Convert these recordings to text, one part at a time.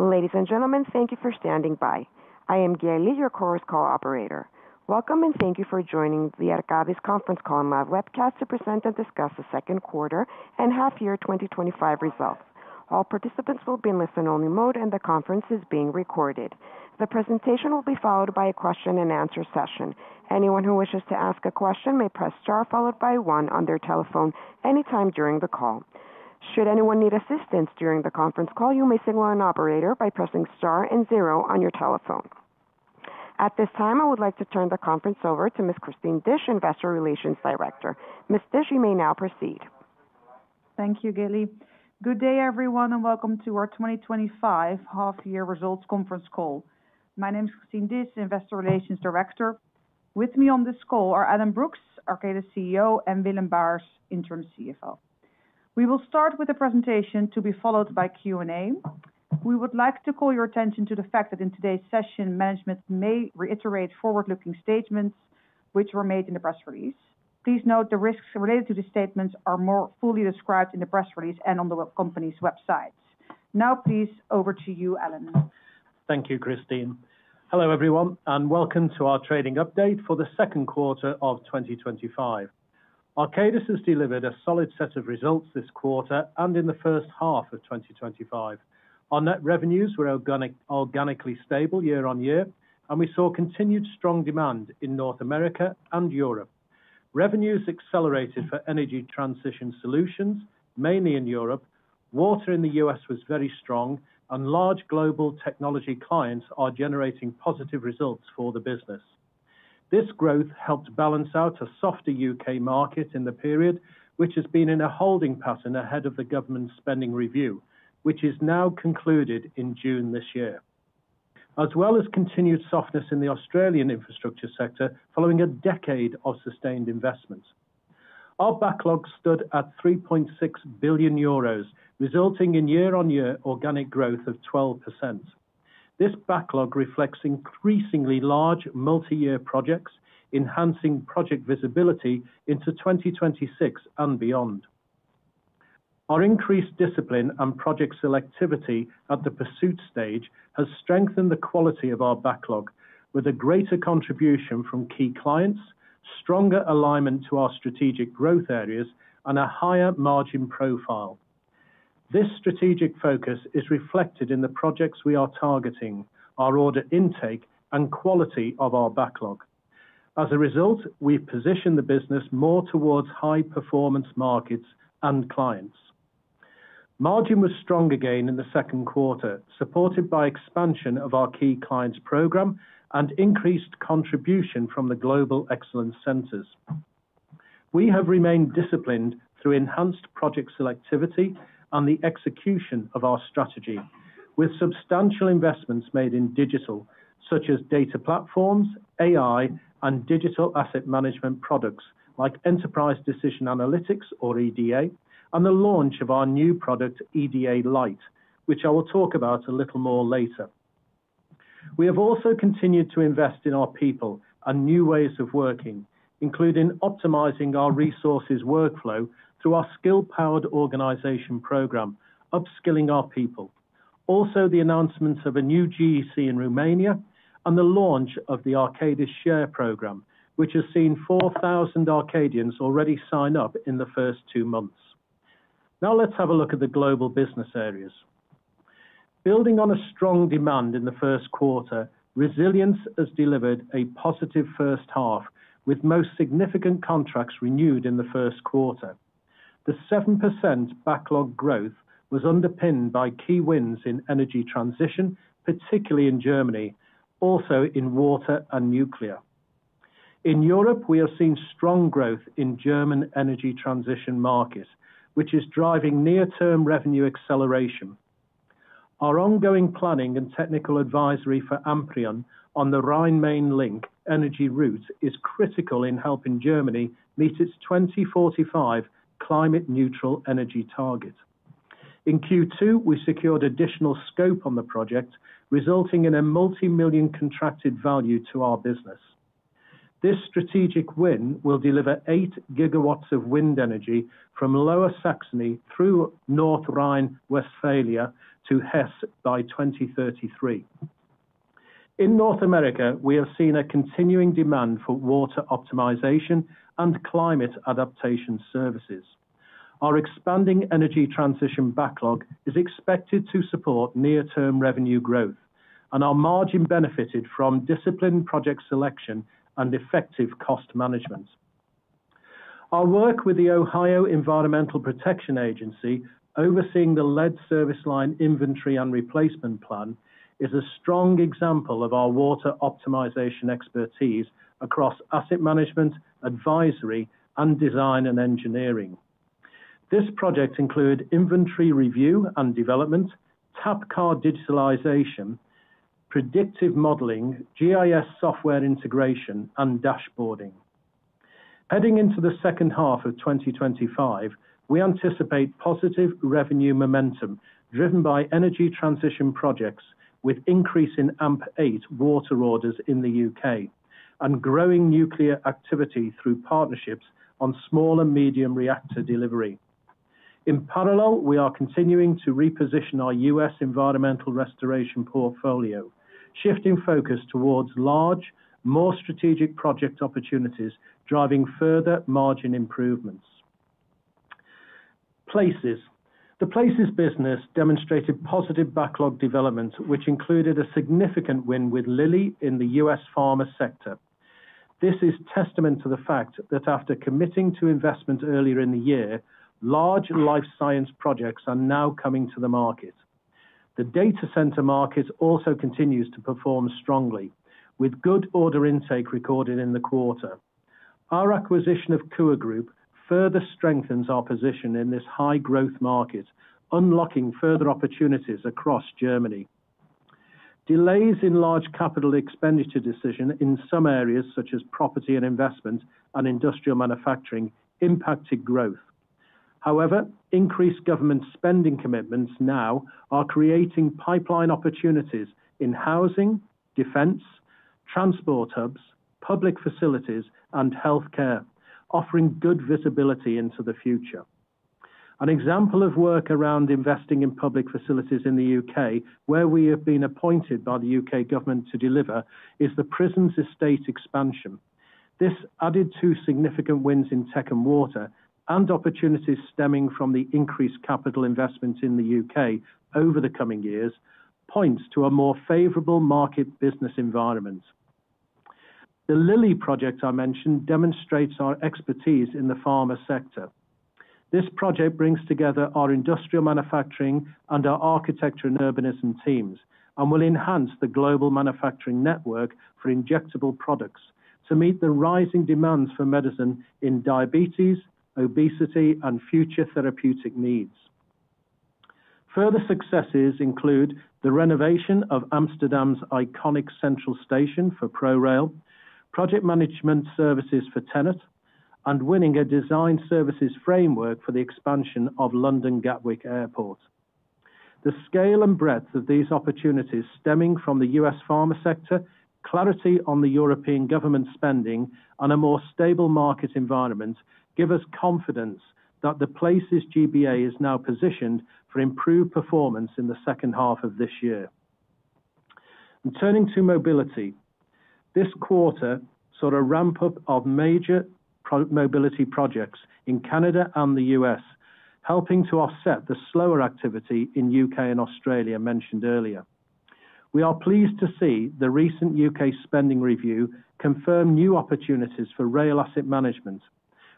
Ladies and gentlemen, thank you for standing by. I am Gaeli, your Chorus Call operator. Welcome and thank you for joining the Arcavi's Conference Call and Live Webcast to present and discuss the Second Quarter and Half Year twenty twenty five Results. All participants will be in listen only mode and the conference is being recorded. The presentation will be followed by a question and answer session. At this time, I would like to turn the conference over to Ms. Christine Dish, Investor Relations Director. Ms. Dish, you may now proceed. Thank you, Gilly. Good day, everyone, and welcome to our twenty twenty five Half Year Results Conference Call. My name is Christine Diess, Investor Relations Director. With me on this call are Adam Brooks, Arcata's CEO and Bill and Bars, Interim CFO. We will start with the presentation to be followed by Q and A. We would like to call your attention to the fact that in today's session management may reiterate forward looking statements, which were made in the press release. Please note the risks related to these statements are more fully described in the press release and on the company's website. Now please over to you, Alan. Thank you, Christine. Hello everyone and welcome to our trading update for the 2025. Arcadis has delivered a solid set of results this quarter and in the 2025. Our net revenues were organically stable year on year, and we saw continued strong demand in North America and Europe. Revenues accelerated for energy transition solutions, mainly in Europe, water in The U. S. Was very strong and large global technology clients are generating positive results for the business. This growth helped balance out a softer UK market in the period, which has been in a holding pattern ahead of the government's spending review, which is now concluded in June, as well as continued softness in the Australian infrastructure sector following a decade of sustained investments. Our backlog stood at €3,600,000,000 resulting in year on year organic growth of 12%. This backlog reflects increasingly large multi year projects, enhancing project visibility into 2026 and beyond. Our increased discipline and project selectivity at the pursuit stage has strengthened the quality of our backlog, with a greater contribution from key clients, stronger alignment to our strategic growth areas and a higher margin profile. This strategic focus is reflected in the projects we are targeting, our order intake and quality of our backlog. As a result, we've positioned the business more towards high performance markets and clients. Margin was strong again in the second quarter, supported by expansion of our key clients program and increased contribution from the global excellence centres. We have remained disciplined through enhanced project selectivity and the execution of our strategy, with substantial investments made in digital such as data platforms, AI and digital asset management products like Enterprise Decision Analytics or EDA and the launch of our new product EDA Lite, which I will talk about a little more later. We have also continued to invest in our people and new ways of working, including optimising our resources workflow through our skill powered organisation programme, upskilling our people. Also the announcements of a new GEC in Romania and the launch of the Arcadis Share programme, which has seen 4,000 Arcadians already sign up in the first two months. Now let's have a look at the global business areas. Building on a strong demand in the first quarter, Resilience has delivered a positive first half, with most significant contracts renewed in the first quarter. The 7% backlog growth was underpinned by key wins in energy transition, particularly in Germany, also in water and nuclear. In Europe, we are seeing strong growth in German energy transition market, which is driving near term revenue acceleration. Our ongoing planning and technical advisory for Amprion on the Rhine Main Link energy route is critical in helping Germany meet its 2045 climate neutral energy target. In Q2, we secured additional scope on the project, resulting in a multi million contracted value to our business. This strategic win will deliver eight gigawatts of wind energy from Lower Saxony through North Rhine Westphalia to Hess by 02/1933. In North America, we have seen a continuing demand for water optimisation and climate adaptation services. Our expanding energy transition backlog is expected to support near term revenue growth, and our margin benefited from disciplined project selection and effective cost management. Our work with the Ohio Environmental Protection Agency overseeing the lead service line inventory and replacement plan is a strong example of our water optimisation expertise across asset management, advisory and design and engineering. This project include inventory review and development, tap car digitalisation, predictive modelling, GIS software integration and dashboarding. Heading into the 2025, we anticipate positive revenue momentum driven by energy transition projects with increasing AMP8 water orders in The UK and growing nuclear activity through partnerships on small and medium reactor delivery. In parallel, we are continuing to reposition our U. S. Environmental restoration portfolio, shifting focus towards large, more strategic project opportunities driving further margin improvements. Places. The Places business demonstrated demonstrated positive backlog development, which included a significant win with Lilly in The US pharma sector. This is testament to the fact that after committing to investment earlier in the year, large life science projects are now coming to the market. The data center market also continues to perform strongly, with good order intake recorded in the quarter. Our acquisition of Kua Group further strengthens our position in this high growth market, unlocking further opportunities across Germany. Delays in large capital expenditure decision in some areas such as property and investment and industrial manufacturing impacted growth. However, increased government spending commitments now are creating pipeline opportunities in housing, defence, transport hubs, public facilities and healthcare, offering good visibility into the future. An example of work around investing in public facilities in The UK, where we have been appointed by the UK government to deliver, is the prisons estate expansion. This added to significant wins in tech and water and opportunities stemming from the increased capital investments in The UK over the coming years points to a more favorable market business environment. The Lilly project I mentioned demonstrates our expertise in the pharma sector. This project brings together our industrial manufacturing and our architecture and urbanism teams and will enhance the global manufacturing network for injectable products to meet the rising demands for medicine in diabetes, obesity and future therapeutic needs. Further successes include the renovation of Amsterdam's iconic central station for ProRail, project management services for Tennant and winning a design services framework for the expansion of London Gatwick Airport. The scale and breadth of these opportunities stemming from The US pharma sector, clarity on the European government spending and a more stable market environment give us confidence that the Places GBA is now positioned for improved performance in the second half of this year. Turning to mobility. This quarter saw a ramp up of major mobility projects in Canada and The US, helping to offset the slower activity in UK and Australia mentioned earlier. We are pleased to see the recent UK spending review confirm new opportunities for rail asset management,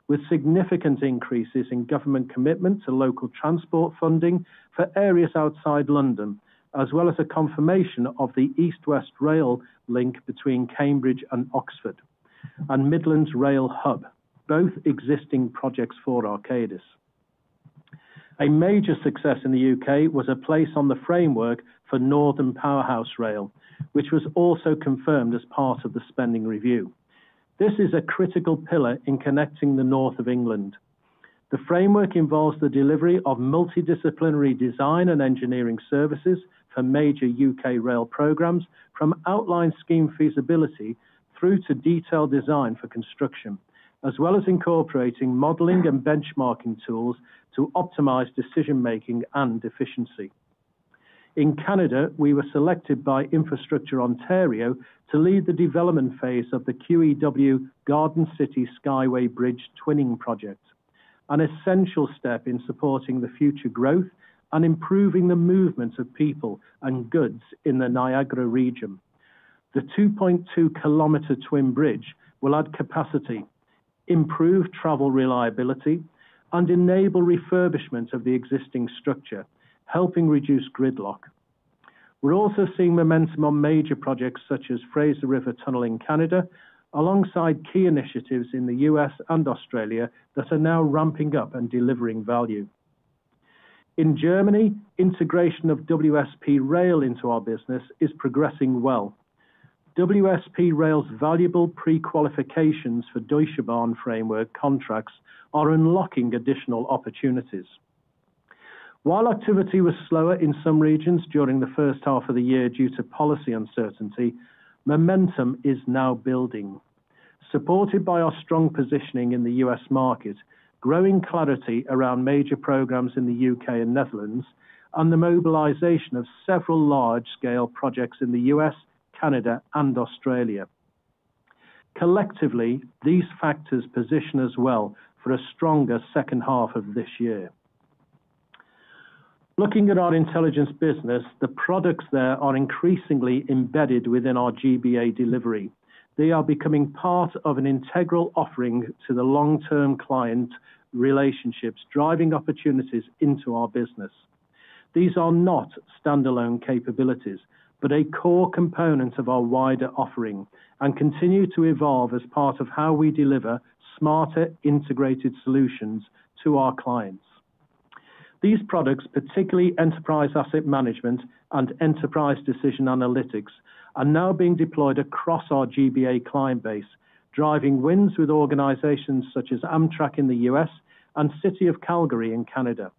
with significant increases in government commitment to local transport funding for areas outside London, as well as a confirmation of the East West Rail link between Cambridge and Oxford and Midland Rail Hub, both existing projects for Arcadis. A major success in The UK was a place on the framework for Northern Powerhouse Rail, which was also confirmed as part of the spending review. This is a critical pillar in connecting the North Of England. The framework involves the delivery of multidisciplinary design and engineering services for major UK rail programmes from outlined scheme feasibility through to detailed design for construction, as well as incorporating modelling and benchmarking tools to optimise decision making and efficiency. In Canada, we were selected by Infrastructure Ontario to lead the development phase of the QEW Garden City Skyway Bridge twinning project, an essential step in supporting the future growth and improving the movement of people and goods in the Niagara Region. The 2.2 kilometre twin bridge will add capacity, improve travel reliability and enable refurbishment of the existing structure, helping reduce gridlock. We're also seeing momentum on major projects such as Fraser River Tunnel in Canada, alongside key initiatives in The US and Australia that are now ramping up and delivering value. In Germany, integration of WSP Rail into our business is progressing well. WSP Rail's valuable prequalifications for Deutsche Bahn framework contracts are unlocking additional opportunities. While activity was slower in some regions during the first half of the year due to policy uncertainty, momentum is now building. Supported by our strong positioning in The US market, growing clarity around major programmes in The UK and Netherlands and the mobilization of several large scale projects in The U. S, Canada and Australia. Collectively, these factors position us well for a stronger second half of this year. Looking at our Intelligence business, the products there are increasingly embedded within our GBA delivery. They are becoming part of an integral offering to the long term client relationships, driving opportunities into our business. These are not standalone capabilities, but a core component of our wider offering and continue to evolve as part of how we deliver smarter integrated solutions to our clients. These products, particularly enterprise asset management and enterprise decision analytics, are now being deployed across our GBA client base, driving wins with organizations such as Amtrak in The U. S. And City of Calgary in Canada.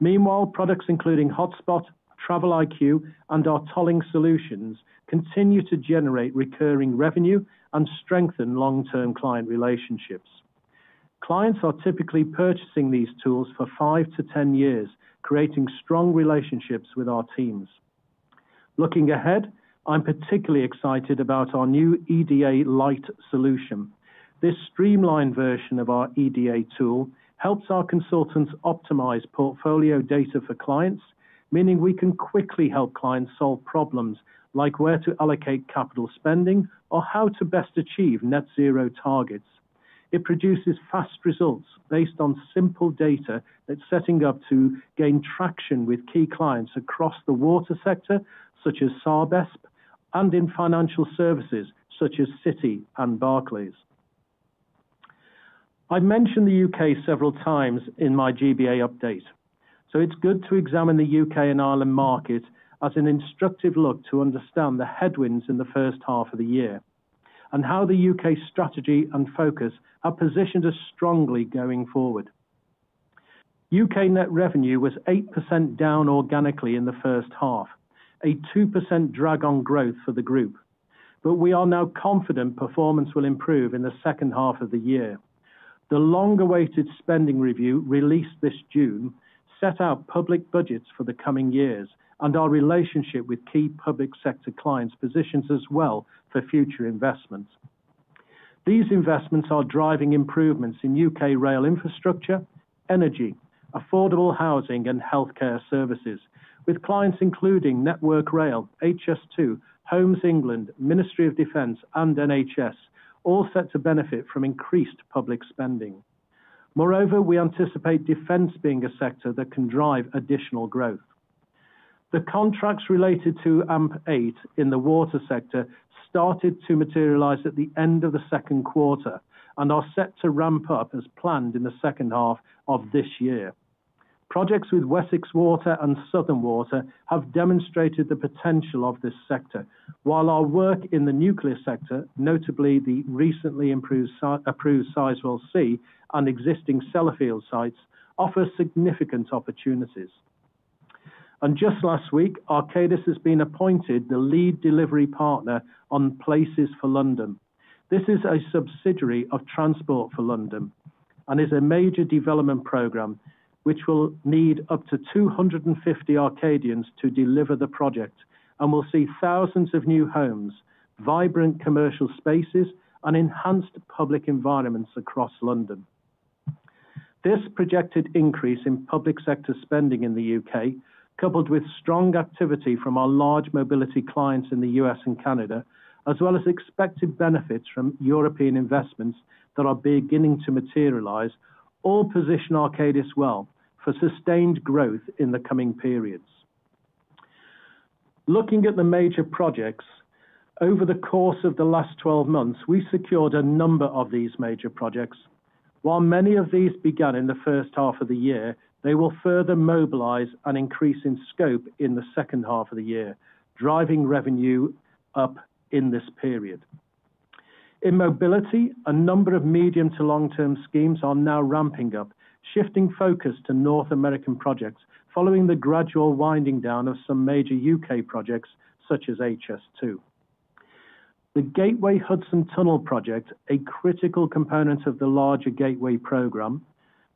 Meanwhile, products including Hotspot, TravelIQ and our tolling solutions continue to generate recurring revenue and strengthen long term client relationships. Clients are typically purchasing these tools for five to ten years, creating strong relationships with our teams. Looking ahead, I'm particularly excited about our new EDA Lite solution. This streamlined version of our EDA tool helps our consultants optimise portfolio data for clients, meaning we can quickly help clients solve problems like where to allocate capital spending or how to best achieve net zero targets. It produces fast results based on simple data that's setting up to gain traction with key clients across the water sector such as SARBES and in financial services such as Citi and Barclays. I've mentioned The UK several times in my GBA update, so it's good to examine The UK and Ireland market as an instructive look to understand the headwinds in the first half of the year and how The UK's strategy and focus have positioned us strongly going forward. UK net revenue was 8% down organically in the first half, a 2% drag on growth for the group, But we are now confident performance will improve in the second half of the year. The long awaited spending review released this June set out public budgets for the coming years, and our relationship with key public sector clients positions us well for future investments. These investments are driving improvements in UK rail infrastructure, energy, affordable housing and health care services, with clients including Network Rail, HS2, Homes England, Ministry of Defence and NHS, all set to benefit from increased public spending. Moreover, we anticipate defence being a sector that can drive additional growth. The contracts related to AMP8 in the water sector started to materialize at the end of the second quarter and are set to ramp up as planned in the second half of this year. Projects with Wessex Water and Southern Water have demonstrated the potential of this sector, while our work in the nuclear sector, notably the recently approved Sizwell C and existing Sellafield sites, offer significant opportunities. And just last week, Arcadis has been appointed the lead delivery partner on Places for London. This is a subsidiary of Transport for London and is a major development programme which will need up to two fifty Arcadians to deliver the project and will see thousands of new homes, vibrant commercial spaces and enhanced public environments across London. This projected increase in public sector spending in The UK, coupled with strong activity from our large mobility clients in The US and Canada, as well as expected benefits from European investments that are beginning to materialize, all position Arcadis well for sustained growth in the coming periods. Looking at the major projects, over the course of the last twelve months, we secured a number of these major projects. While many of these began in the first half of the year, they will further mobilize an increase in scope in the second half of the year, driving revenue up in this period. In mobility, a number of medium to long term schemes are now ramping up, shifting focus to North American projects following the gradual winding down of some major UK projects such as HS2. The Gateway Hudson Tunnel project, a critical component of the larger Gateway programme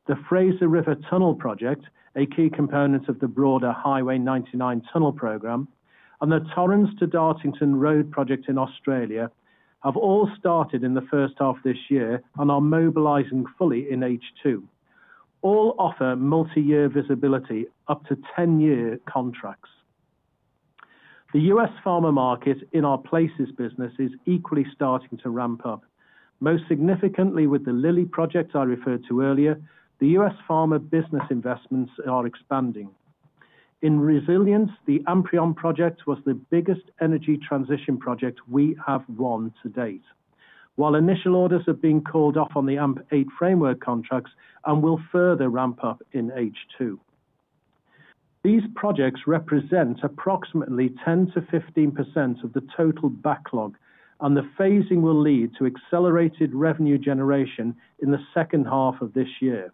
the Fraser River Tunnel project, a key component of the broader Highway 99 Tunnel programme and the Torrance To Dartington Road project in Australia have all started in the first half this year and are mobilising fully in H2. All offer multi year visibility up to ten year contracts. The U. S. Pharma market in our Places business is equally starting to ramp up. Most significantly with the Lilly project I referred to earlier, The U. S. Pharma business investments are expanding. In resilience, the Amprion project was the biggest energy transition project we have won to date, while initial orders have been called off on the AMP8 framework contracts and will further ramp up in H2. These projects represent approximately 10% to 15% of the total backlog, and the phasing will lead to accelerated revenue generation in the second half of this year,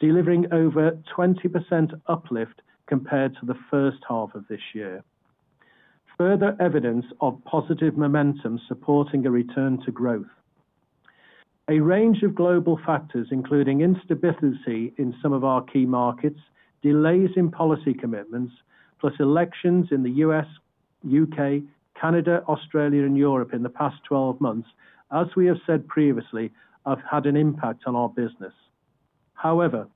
delivering over 20% uplift compared to the first half of this year, further evidence of positive momentum supporting a return to growth. A range of global factors, including instability in some of our key markets, delays in policy commitments, plus elections in The US, UK, Canada, Australia and Europe in the past twelve months, as we have said previously, have had an impact on our business. However,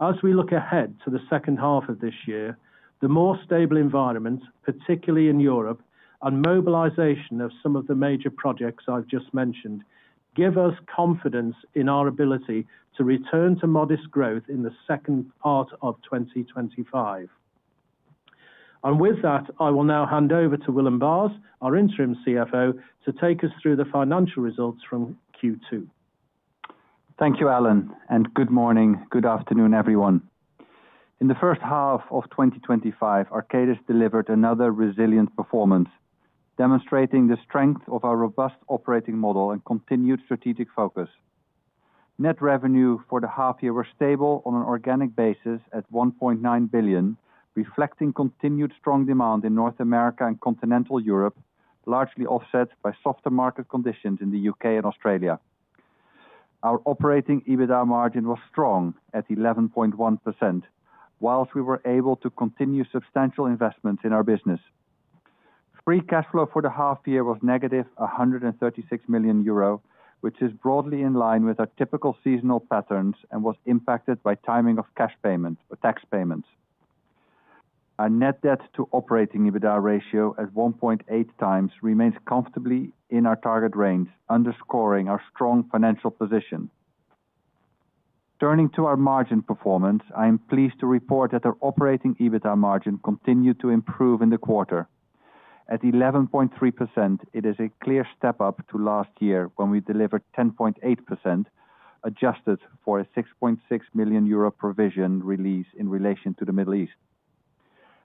as we look ahead to the second half of this year, the more stable environment, particularly in Europe, and mobilisation of some of the major projects I've just mentioned, give us confidence in our ability to return to modest growth in the 2025. And with that, I will now hand over to Willem Bars, our Interim CFO, to take us through the financial results from Q2. Thank you, Alan, and good morning, good afternoon, everyone. In the 2025, Arcadis delivered another resilient performance, demonstrating the strength of our robust operating model and continued strategic focus. Net revenue for the half year was stable on an organic basis at €1,900,000,000 reflecting continued strong demand in North America and Continental Europe, largely offset by softer market conditions in The UK and Australia. Our operating EBITDA margin was strong at 11.1%, whilst we were able to continue substantial investments in our business. Free cash flow for the half year was negative €136,000,000 which is broadly in line with our typical seasonal patterns and was impacted by timing of cash payments or tax payments. Our net debt to operating EBITDA ratio at 1.8 times remains comfortably in our target range, underscoring our strong financial position. Turning to our margin performance. I am pleased to report that our operating EBITA margin continued to improve in the quarter. At 11.3%, it is a clear step up to last year when we delivered 10.8%, adjusted for a 6,600,000 provision release in relation to The Middle East.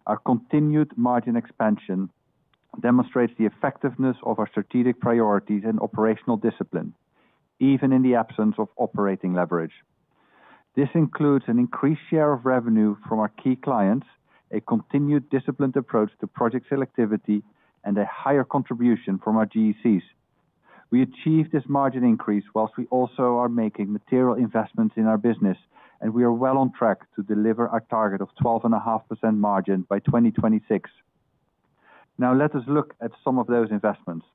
Our continued margin expansion demonstrates the effectiveness of our strategic priorities and operational discipline, even in the absence of operating leverage. This includes an increased share of revenue from our key clients, a continued disciplined approach to project selectivity and a higher contribution from our GECs. We achieved this margin increase whilst we also are making material investments in our business, and we are well on track to deliver our target of 12.5% margin by 2026. Now let us look at some of those investments.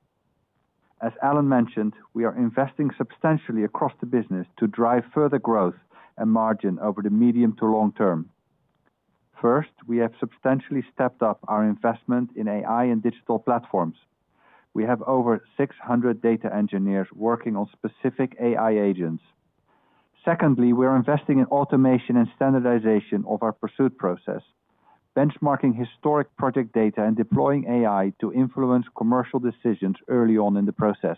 As Alan mentioned, we are investing substantially across the business to drive further growth and margin over the medium to long term. First, we have substantially stepped up our investment in digital platforms. We have over 600 data engineers working on specific AI agents. Secondly, we are investing in automation and standardization of our pursuit process, benchmarking historic project data and deploying AI to influence commercial decisions early on in the process.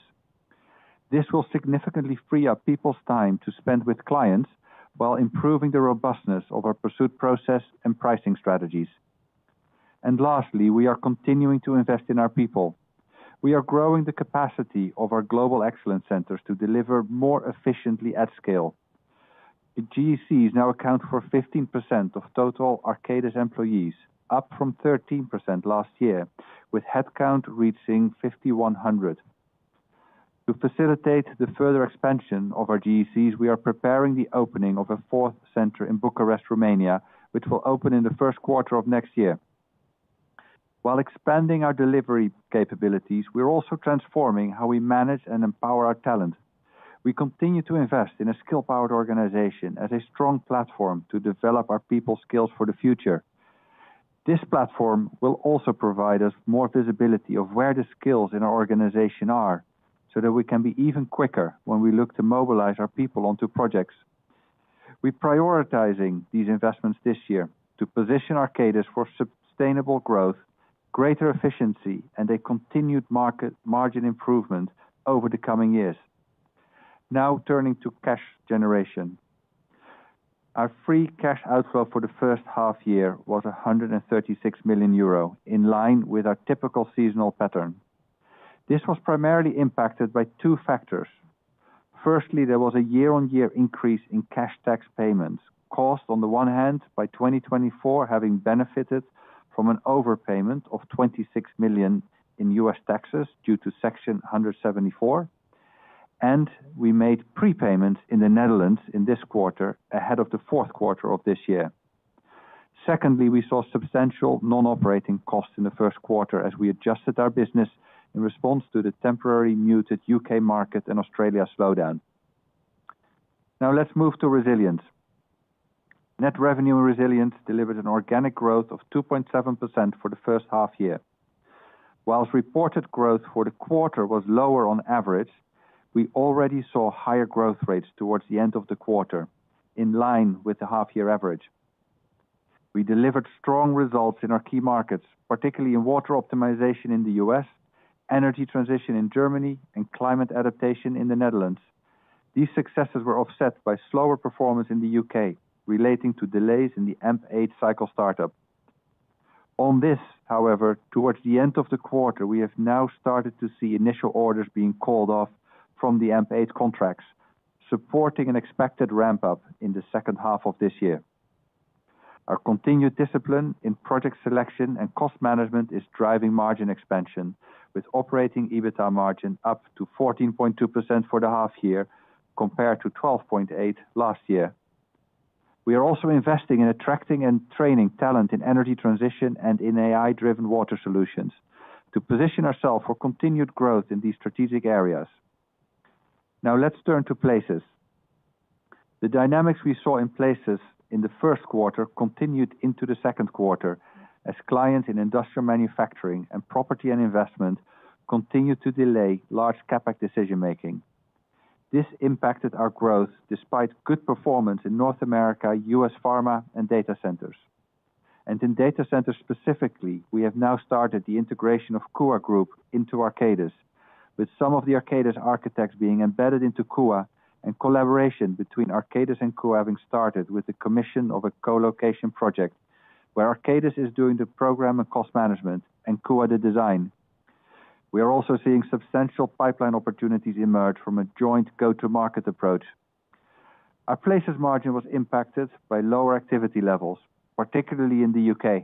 This will significantly free up people's time to spend with clients, while improving the robustness of our pursuit process and pricing strategies. And lastly, we are continuing to invest in our people. We are growing the capacity of our global excellence centers to deliver more efficiently at scale. GECs now account for 15% of total Arcadis employees, up from 13% last year, with headcount reaching 5,100. To facilitate the further expansion of our GECs, we are preparing the opening of a fourth center in Bucharest, Romania, which will open in the first quarter of next year. While expanding our delivery capabilities, we're also transforming how we manage and empower our talent. We continue to invest in a skill powered organization as a strong platform to develop our people skills for the future. This platform will also provide us more visibility of where the skills in our organization are, so that we can be even quicker when we look to mobilize our people onto projects. We're prioritizing these investments this year to position Arcadis for sustainable growth, greater efficiency and a continued market margin improvement over the coming years. Now turning to cash generation. Our free cash outflow for the first half year was €136,000,000 in line with our typical seasonal pattern. This was primarily impacted by two factors. Firstly, there was a year on year increase in cash tax payments, cost on the one hand by 2024 having benefited from an overpayment of €26,000,000 in U. S. Taxes due to Section 174, and we made prepayments in The Netherlands in this quarter ahead of the fourth quarter of this year. Secondly, we saw substantial non operating costs in the first quarter as we adjusted our business in response to the temporary muted UK market and Australia slowdown. Now, let's move to Resilience. Net revenue in Resilience delivered an organic growth of 2.7% for the first half year. Whilst reported growth for the quarter was lower on average, we already saw higher growth rates towards the end of the quarter, in line with the half year average. We delivered strong results in our key markets, particularly in water optimization in The U. S, energy transition in Germany and climate adaptation in The Netherlands. These successes were offset by slower performance in The UK, relating to delays in the AMP8 cycle startup. On this, however, towards the end of the quarter, we have now started to see initial orders being called off from the AMP8 contracts, supporting an expected ramp up in the second half of this year. Our continued discipline in project selection and cost management is driving margin expansion, with operating EBITA margin up to 14.2% for the half year compared to 12.8% last year. We are also investing in attracting and training talent in energy transition and in AI driven water solutions, to position ourselves for continued growth in these strategic areas. Now let's turn to Places. The dynamics we saw in Places in the first quarter continued into the second quarter, as clients in industrial manufacturing and property and investment continued to delay large CapEx decision making. This impacted our growth despite good performance in North America, US Pharma and Data Centers. And in Data Centers specifically, we have now started the integration of CUA Group into Arcadis, with some of the Arcadis architects being embedded into Kuwa and collaboration between Arcadis and Kuwa having started with the commission of a colocation project, where Arcadis is doing the program and cost management and Kuwa the design. We are also seeing substantial pipeline opportunities emerge from a joint go to market approach. Our places margin was impacted by lower activity levels, particularly in The UK.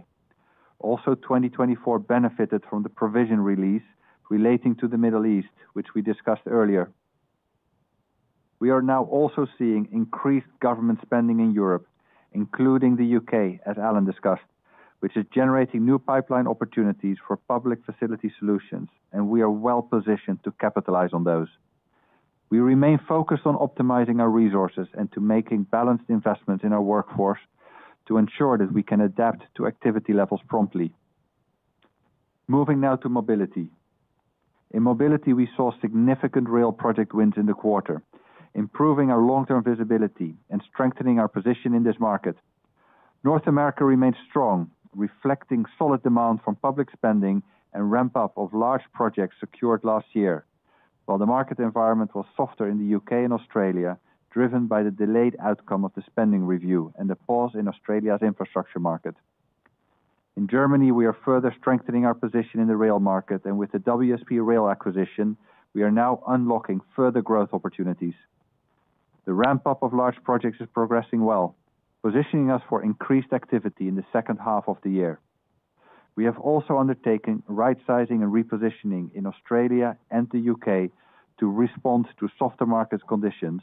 Also 2024 benefited from the provision release relating to The Middle East, which we discussed earlier. We are now also seeing increased government spending in Europe, including The UK, as Alan discussed, which is generating new pipeline opportunities for public facility solutions, and we are well positioned to capitalize on those. We remain focused on optimizing our resources and to making balanced investments in our workforce to ensure that we can adapt to activity levels promptly. Moving now to Mobility. In Mobility, we saw significant rail project wins in the quarter, improving our long term visibility and strengthening our position in this market. North America remains strong, reflecting solid demand from public spending and ramp up of large projects secured last year, while the market environment was softer in The UK and Australia, driven by the delayed outcome of the spending review and the pause in Australia's infrastructure market. In Germany, we are further strengthening our position in the rail market and with the WSP Rail acquisition, we are now unlocking further growth opportunities. The ramp up of large projects is progressing well, positioning us for increased activity in the second half of the year. We have also undertaken rightsizing and repositioning in Australia and The UK to respond to softer market conditions,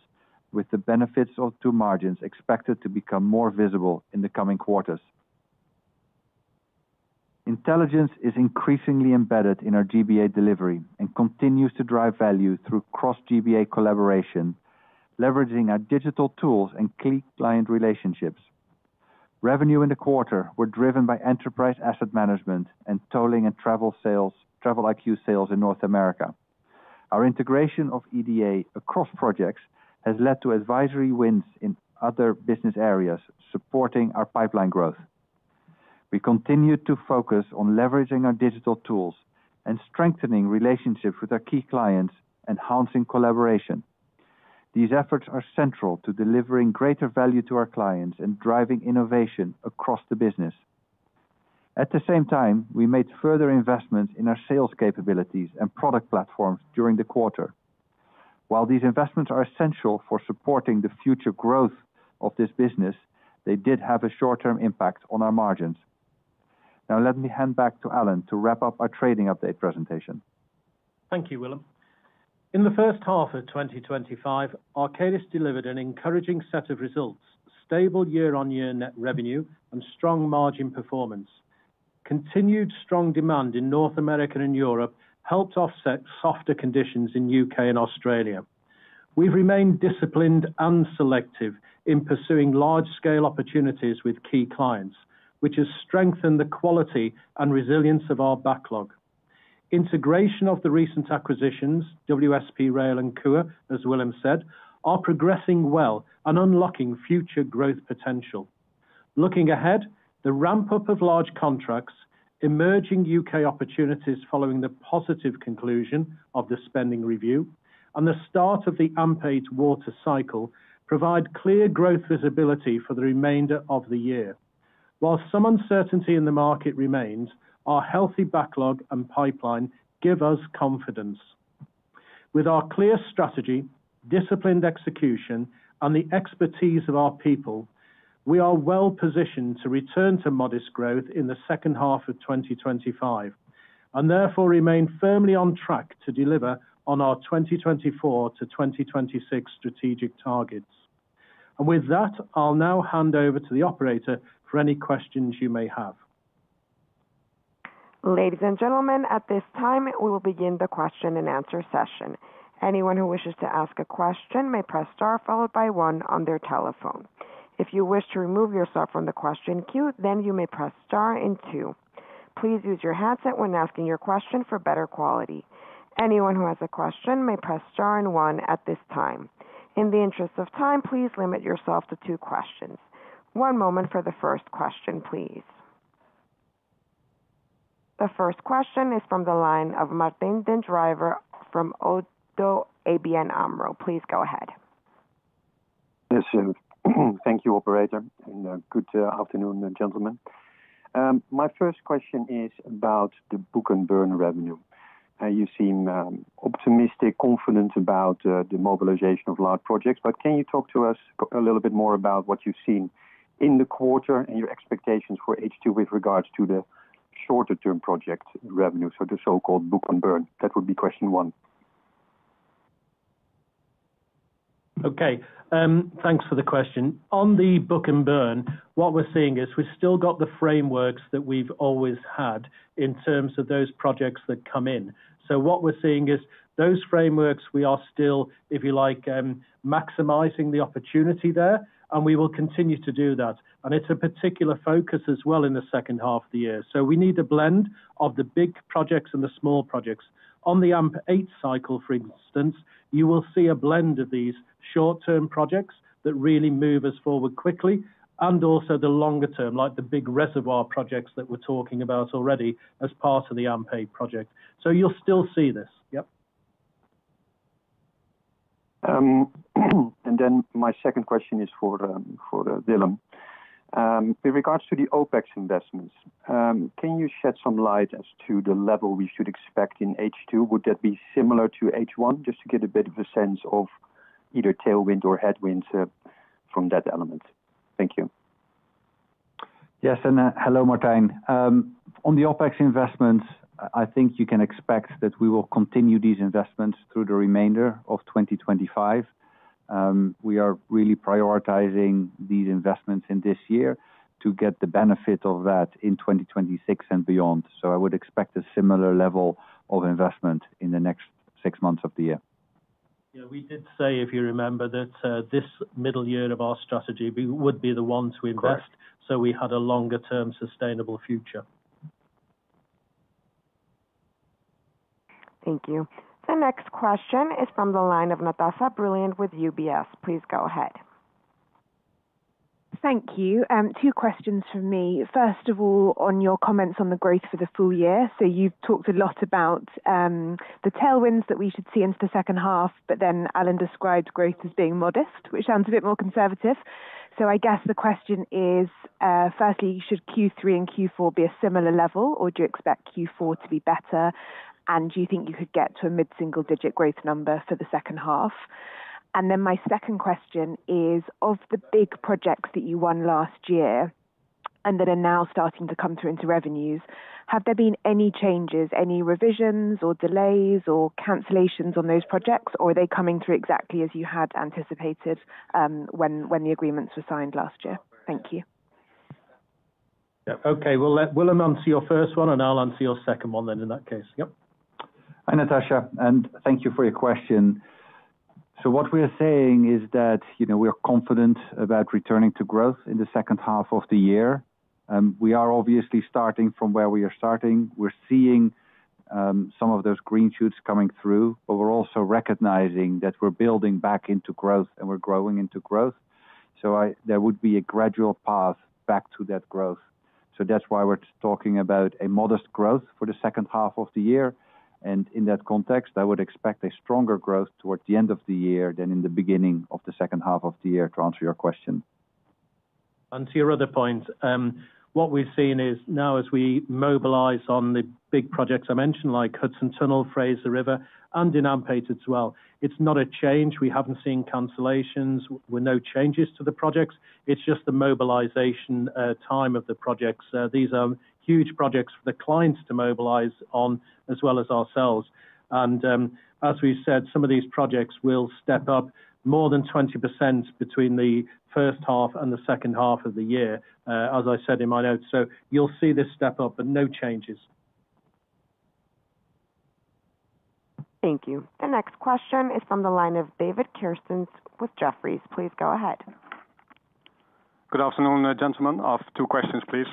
with the benefits to margins expected to become more visible in the coming quarters. Intelligence is increasingly embedded in our GBA delivery and continues to drive value through cross GBA collaboration, leveraging our digital tools and key client relationships. Revenue in the quarter were driven by enterprise asset management and tolling and travel TravelIQ sales in North America. Our integration of EDA across projects has led to advisory wins in other business areas, supporting our pipeline growth. We continue to focus on leveraging our digital tools and strengthening relationships with our key clients, enhancing collaboration. These efforts are central to delivering greater value to our clients and driving innovation across the business. At the same time, we made further investments in our sales capabilities and product platforms during the quarter. While these investments are essential for supporting the future growth of this business, they did have a short term impact on our margins. Now let me hand back to Alan to wrap up our trading update presentation. Thank you, Willem. In the 2025, Arcadis delivered an encouraging set of results, stable year on year net revenue and strong margin performance. Continued strong demand in North America and Europe helped offset softer conditions in UK and Australia. We've remained disciplined and selective in pursuing large scale opportunities with key clients, which has strengthened the quality and resilience of our backlog. Integration of the recent acquisitions, WSP Rail and Coor, as Willem said, are progressing well and unlocking future growth potential. Looking ahead, the ramp up of large contracts, emerging UK opportunities following the positive conclusion of the spending review and the start of the AMP8 water cycle provide clear growth visibility for the remainder of the year. While some uncertainty in the market remains, our healthy backlog and pipeline give us confidence. With our clear strategy, disciplined execution and the expertise of our people, we are well positioned to return to modest growth in the 2025 and therefore remain firmly on track to deliver on our 2024 to 2026 strategic targets. And with that, I'll now hand over to the operator for any questions you may have. You. The first question is from the line of Martin Den Drijver from Oto ABN AMRO. Please go ahead. Yes. You, operator, and good afternoon, gentlemen. My first question is about the book and burn revenue. You seem optimistic, confident about the mobilization of large projects. But can you talk to us a little bit more about what you've seen in the quarter and your expectations for H2 with regards to the shorter term project revenue, the so called book and burn? That would be question one. Okay. Thanks for the question. On the book and burn, what we're seeing is we've still got the frameworks that we've always had in terms of those projects that come in. So what we're seeing is those frameworks we are still, if you like, maximizing the opportunity there, and we will continue to do that. And it's a particular focus as well in the second half of the year. So we need a blend of the big projects and the small projects. On the AMP8 cycle, for instance, you will see a blend of these short term projects that really move us forward quickly and also the longer term, like the big reservoir projects that we're talking about already as part of the AMP8 project. So you'll still see this, yes. And then my second question is for Dylan. With regards to the OpEx investments, can you shed some light as to the level we should expect in H2? Would that be similar to H1? Just to get a bit of a sense of either tailwind or headwinds from that element. Thank you. Yes. And hello, Martin. On the OpEx investments, I think you can expect that we will continue these investments through the remainder of 2025. We are really prioritizing these investments in this year to get the benefit of that in 2026 and beyond. So, I would expect a similar level of investment in the next six months of the year. We did say, if you remember, that this middle year of our strategy would be the ones we invest so we had a longer term sustainable future. Thank you. The next question is from the line of Natasa Brilliant with UBS. Please go ahead. Thank you. Two questions from me. First of all, on your comments on the growth for the full year. So you've talked a lot about the tailwinds that we should see into the second half, but then Alan described growth as being modest, which sounds a bit more conservative. So I guess the question is, firstly, should Q3 and Q4 be a similar level? Or do you expect Q4 to be better? And do you think you could get to a mid single digit growth number for the second half? And then my second question is, of the big projects that you won last year and that are now starting to come through into revenues, have there been any changes, any revisions or delays or cancellations on those projects? Or are they coming through exactly as you had anticipated when the agreements were signed last year? Thank you. Okay. We'll let Willem answer your first one and I'll answer your second one then in that case. Hi, Natasha, and thank you for your question. So what we are saying is that we are confident about returning to growth in the second half of the year. We are obviously starting from where we are starting. We're seeing some of those green shoots coming through, but we're also recognizing that we're building back into growth and we're growing into growth. So there would be a gradual path back to that growth. So that's why we're talking about a modest growth for the second half of the year. And in that context, I would expect a stronger growth towards the end of the year than in the beginning of the second half of the year, to answer your question. And to your other point, what we've seen is now as we mobilize on the big projects I mentioned like Hudson Tunnel, Fraser River and Denampete as well, it's not a change. We haven't seen cancellations. There were no changes to the projects. It's just the mobilization time of the projects. These are huge projects for the clients to mobilize on as well as ourselves. And as we said, some of these projects will step up more than 20% between the first half and the second half of the year, as I said in my notes. So you'll see this step up, but no changes. Thank you. The next question is from the line of David Kirstjens with Jefferies. Please go ahead. Good afternoon, gentlemen. I have two questions, please.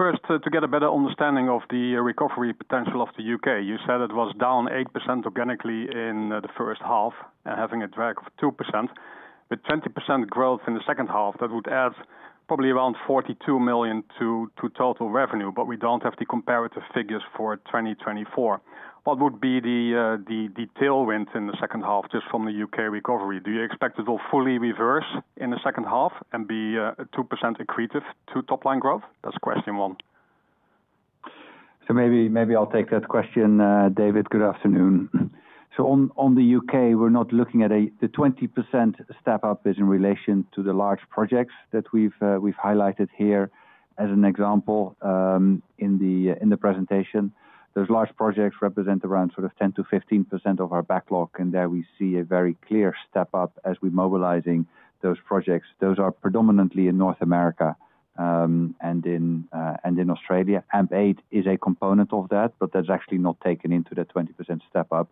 First, to get a better understanding of the recovery potential of The U. K. You said it was down 8% organically in the first half and having a drag of 2%. With 20% growth in the second half, that would add probably around €42,000,000 to total revenue, but we don't have the comparative figures for 2024. What would be the tailwind in the second half just from The U. K. Recovery? Do you expect it will fully reverse the second half and be 2% accretive to top line growth? That's question one. So maybe I'll take that question, David. Good afternoon. So on The U. K, we're not looking at a the 20% step up is in relation to the large projects that we've highlighted here as an example in the presentation. Those large projects represent around sort of 10 to 15% of our backlog, and there we see a very clear step up as we're mobilizing those projects. Those are predominantly in North America and in Australia. AMP8 is a component of that, but that's actually not taken into the 20% step up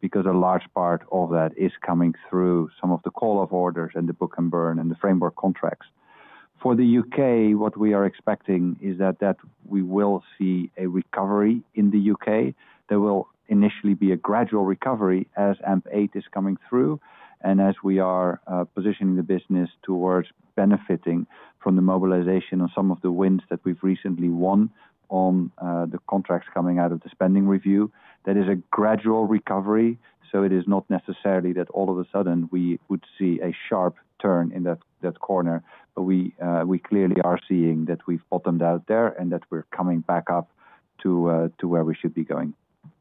because a large part of that is coming through some of the call off orders and the book and burn and the framework contracts. For The UK, what we are expecting is that we will see a recovery in The UK. There will initially be a gradual recovery as AMP8 is coming through and as we are positioning the business towards benefiting from the mobilization of some of the wins that we've recently won on the contracts coming out of the spending review. That is a gradual recovery, so it is not necessarily that all of a sudden we would see a sharp turn in that corner, but we clearly are seeing that we've bottomed out there and that we're coming back up to where we should be going.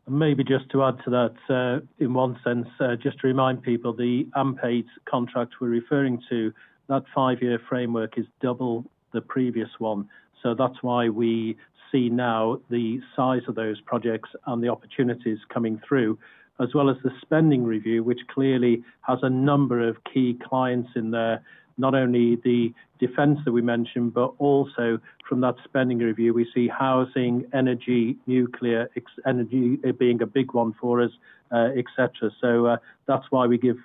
Maybe just to add to that in one sense, just to remind people, the AMP8 contract we're referring to, that five year framework is double the previous one. So that's why we see now the size of those projects and the opportunities coming through, as well as the spending review, which clearly has a number of key clients in there, not only the defence that we mentioned, but also from that spending review, we see housing, energy, nuclear, energy being a big one for us, etcetera. So that's why we give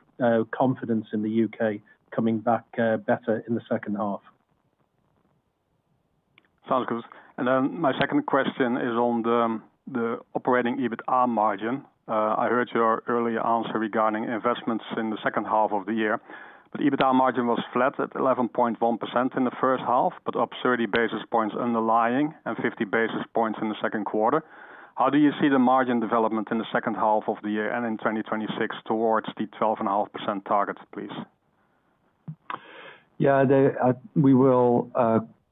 confidence in The U. K. Coming back better in the second half. Sounds good. And then my second question is on the operating EBITA margin. I heard your earlier answer regarding investments in the second half of the year. But EBITA margin was flat at 11.1% in the first half, but up 30 basis points underlying and 50 basis points in the second quarter. How do you see the margin development in the second half of the year and in 2026 towards the 12.5% target, please? Yes. We will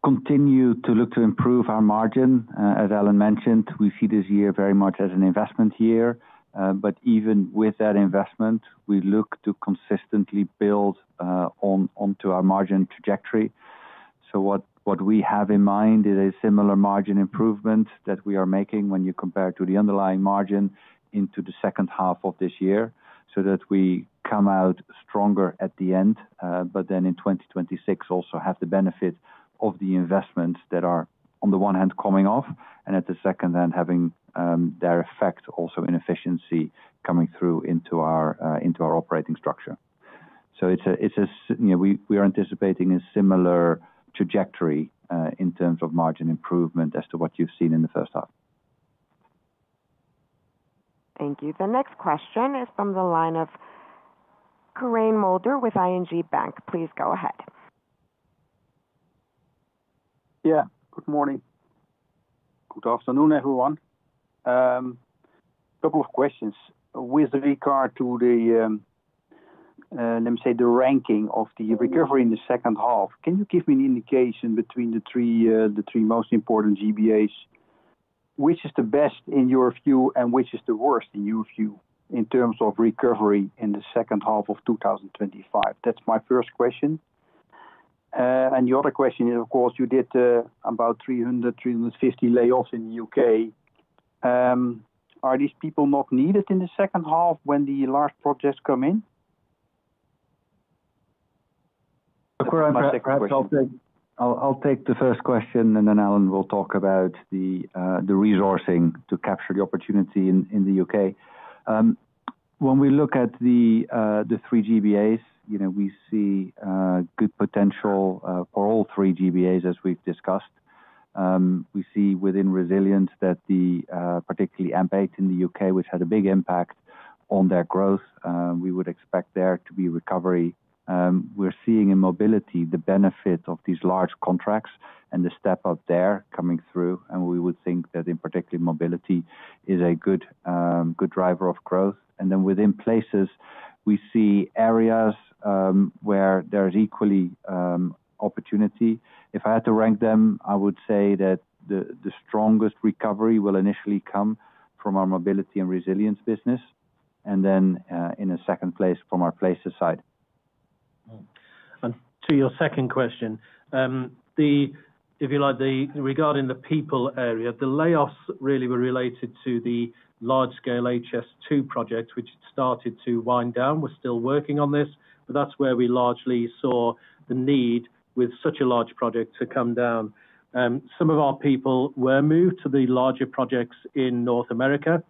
continue to look to improve our margin. As Alan mentioned, we see this year very much as an investment year. But even with that investment, we look to consistently build onto our margin trajectory. So what we have in mind is a similar margin improvement that we are making when you compare to the underlying margin into the second half of this year, so that we come out stronger at the end, but then in 2026 also have the benefit of the investments that are on the one hand coming off, and at the second hand having their effect also inefficiency coming through into our operating structure. So, we are anticipating a similar trajectory in terms of margin improvement as to what you've seen in the first half. Thank you. The next question is from the line of Karim Mulder with ING Bank. Please go ahead. Yes. Good morning. Good afternoon, everyone. Couple of questions. With regard to the, let me say, the ranking of the recovery in the second half, can you give me an indication between the three most important GBAs? Which is the best in your view and which is the worst in your view in terms of recovery in the 2025? That's my first question. And the other question is, of course, you did about 300, three fifty layoffs in The UK. Are these people not needed in the second half when the large projects come in? I'll take the first question and then Alan will talk about the resourcing to capture the opportunity in The UK. When we look at the three GBAs, we see good potential for all three GBAs, as we've discussed. We see within resilience that AMP8 in The UK, which had a big impact on their growth, we would expect there to be recovery. We're seeing in mobility the benefit of these large contracts and the step up there coming through, and we would think that in particular mobility is a good driver of growth. And then within places, we see areas where there is equally opportunity. If I had to rank them, I would say that the strongest recovery will initially come from our Mobility and Resilience business and then in a second place from our Places side. And to your second question, if you like, the people area, the layoffs really were related to the large scale HS2 project, which started to wind down. We're still working on this, but that's where we largely saw the need with such a large project to come down. Some of our people were moved to the larger projects in North America.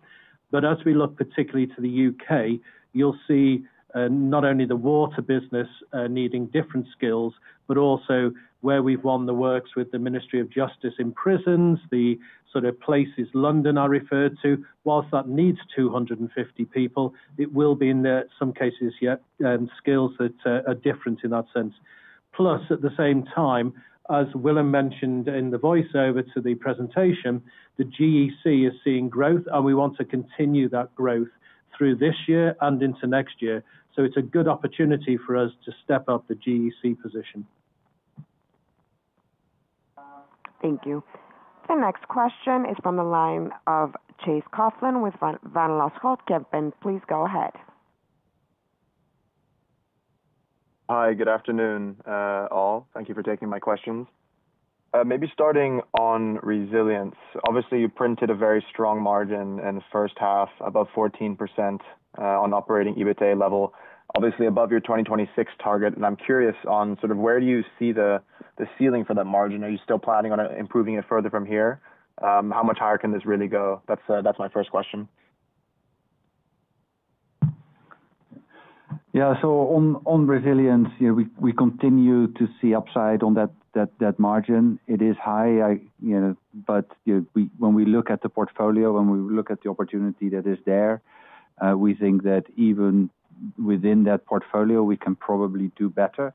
But as we look particularly to The UK, you'll see not only the water business needing different skills, but also where we've won the works with the Ministry of Justice in prisons, the sort of places London I referred to whilst that needs two fifty people, it will be in some cases yet skills that are different in that sense. Plus at the same time, as Willem mentioned in the voice over to the presentation, the GEC is seeing growth, and we want to continue that growth through this year and into next year. So it's a good opportunity for us to step up the GEC position. Thank you. The next question is from the line of Chase Coughlin with Van Laas Hofkeben. Please go ahead. Hi, good afternoon all. Thank you for taking my questions. Maybe starting on resilience. Obviously, you printed a very strong margin in the first half, above 14% on operating EBITA level, obviously above your 2026 target. And I'm curious on sort of where do you see the ceiling for that margin? Are you still planning on improving it further from here? How much higher can this really go? That's my first question. Yeah. So on resilience, we continue to see upside on margin. It is high, but when we look at the portfolio, when we look at the opportunity that is there, we think that even within that portfolio, we can probably do better.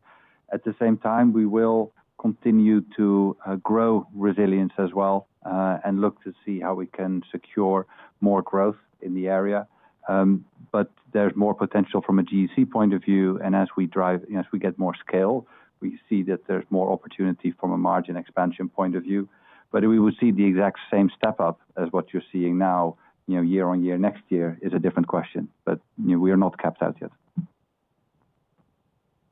At the same time, we will continue to grow resilience as well and look to see how we can secure more growth in the area. But there's more potential from a GEC point of view, and as we drive and as we get more scale, we see that there's more opportunity from a margin expansion point of view. But we will see the exact same step up as what you're seeing now year on year next year is a different question. But we are not capped out yet.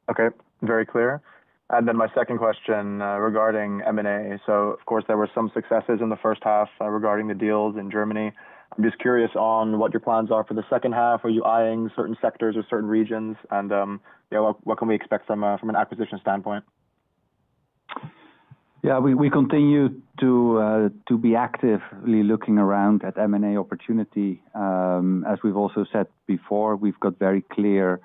Okay. Very clear. And then my second question regarding M and A. So, of course, there were some successes in the first half regarding the deals in Germany. I'm just curious on what your plans are for the second half. Are you eyeing certain sectors or certain regions? And what can we expect from an acquisition standpoint? Yeah, we continue to be actively looking around at M and A opportunity. As we've also said before, we've got very clear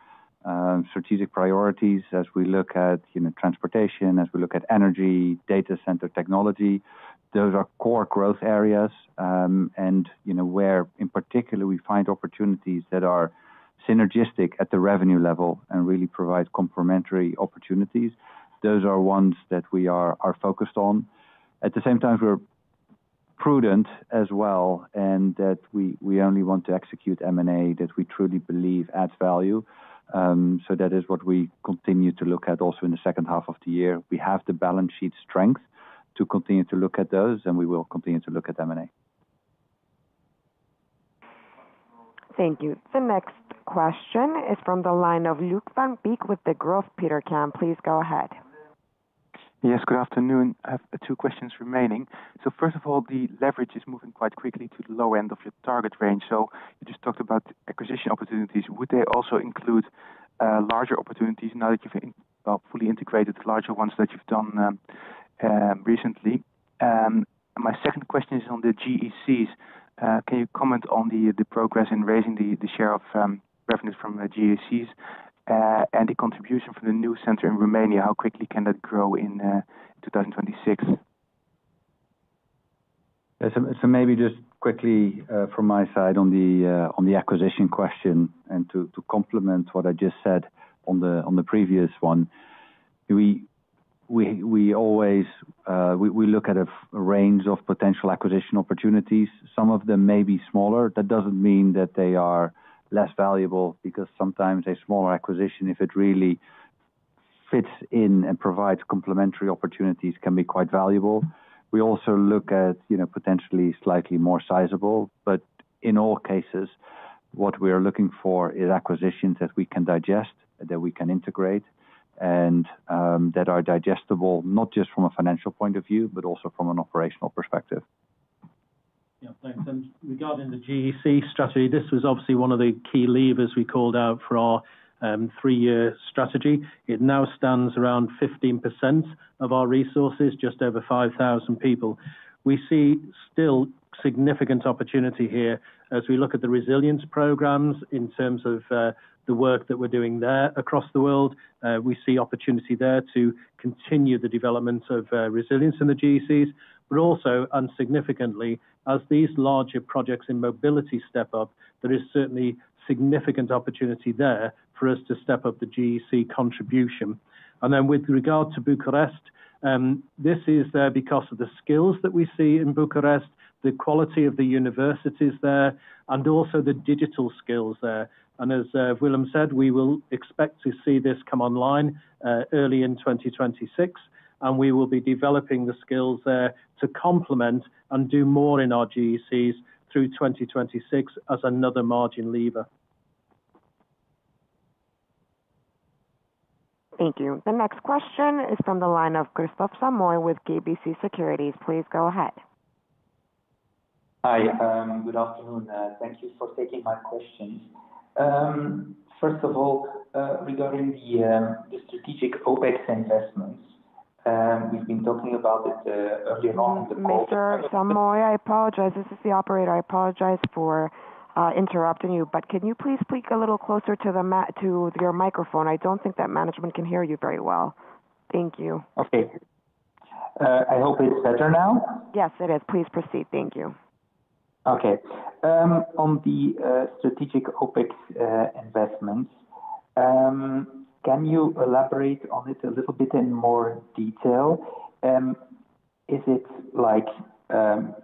strategic priorities as we look at transportation, as we look at energy, data center technology. Those are core growth areas and where, in particular, we find opportunities that are synergistic at the revenue level and really provide complementary opportunities, those are ones that we are focused on. At the same time, are prudent as well and that we only want execute M and A that we truly believe adds value. So that is what we continue to look at also in the second half of the year. We have the balance sheet strength to continue to look at those and we will continue to look at M and A. Thank you. The next question is from the line of Luc Van Peek with Degroof Petercam. Please go ahead. Yes, good afternoon. I have two questions remaining. So first of all, the leverage is moving quite quickly to the low end of your target range. So you just talked about acquisition opportunities. Would they also include larger opportunities now that you've fully integrated larger ones that you've done recently? And my second question is on the GECs. Can you comment on the progress in raising the share of revenues from GECs? And the contribution from the new center in Romania, how quickly can that grow in 2026? So, just quickly from my side on the acquisition question and to complement what I just said on the previous one. We we look at a range of potential acquisition opportunities. Some of them may be smaller. That doesn't mean that they are less valuable, because sometimes a smaller acquisition, if it really fits in and provides complementary opportunities, can be quite valuable. We also look at potentially slightly more sizable, but in all cases, what we are looking for is acquisitions that we can digest, that we can integrate, and that are digestible not just from a financial point of view, but also from an operational perspective. Thanks. And regarding the GEC strategy, this was obviously one of the key levers we called out for our three year strategy. It now stands around 15% of our resources, just over 5,000 people. We see still significant opportunity here as we look at the resilience programmes in terms of the work that we're doing there across the world. We see opportunity there to continue the development of resilience in the GECs. But also, unsignificantly, as these larger projects in mobility step up, there is certainly significant opportunity there for us to step up the GEC contribution. And then with regard to Bucharest, this is there because of the skills that we see in Bucharest, the quality of the universities there and also the digital skills there. And as Willem said, we will expect to see this come online early in 2026, and we will be developing the skills there to complement and do more in our GECs through 2026 as another margin lever. The next question is from the line of Christophe Samoy with Gabi Securities. Hi, good afternoon. Thank you for taking my questions. First of all, regarding the strategic OpEx investments, we've been talking about it earlier on in the call. Mr. Samoy, I apologize. This is the operator. I apologize for interrupting you. But can you please speak a little closer to the to your microphone? I don't think that management can hear you very well. Thank you. Okay. I hope it's better now. Yes, it is. Please proceed. Thank you. Okay. On the strategic OpEx investments, can you elaborate on it a little bit in more detail? Is it like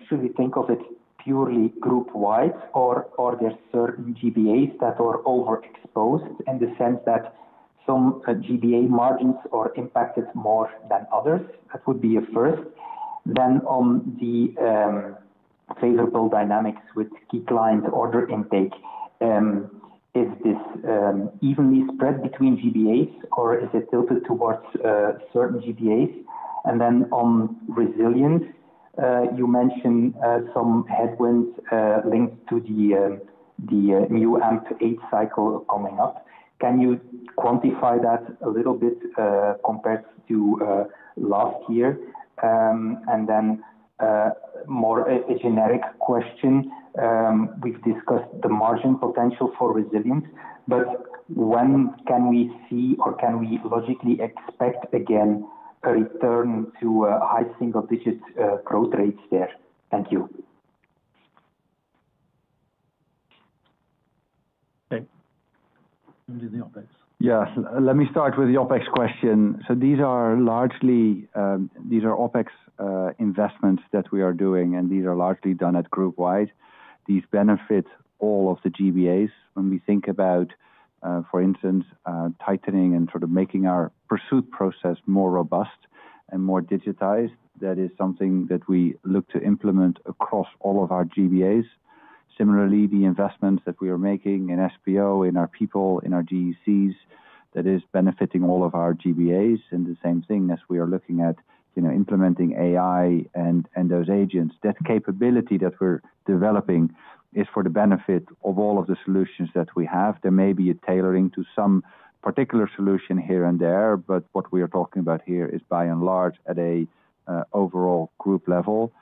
should we think of it purely group wide or are there certain GBAs that are overexposed in the sense that some GBA margins are impacted more than others? That would be a first. Then on the favorable dynamics with declined order intake, is this evenly spread between GBAs or is it tilted towards certain GBAs? And then on resilience, you mentioned some headwinds linked to the new AMP8 cycle coming up. Can you quantify that a little bit compared to last year? And then more of a generic question, we've discussed the margin potential for Resilience, but when can we see or can we logically expect again a return to high single digit growth rates there? Thank you. Okay. Let me start with the OpEx question. So, are largely are OpEx investments that we are doing and these are largely done at group wide. These benefit all of the GBAs. When we think about, for instance, tightening and sort of making our pursuit process more robust and more digitized, that is something that we look to implement across all of our GBAs. Similarly, the investments that we are making in SPO, in our people, in our GECs, that is benefiting all of our GBAs and the same thing as we are looking at implementing AI and those agents. That capability that we're developing is for the benefit of all of the solutions that we have. There may be a tailoring to some particular solution here and there, but what we are talking about here is by and large at an overall group level.